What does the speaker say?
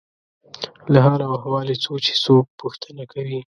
له حال او احوال یې څو چې څوک پوښتنه کوي.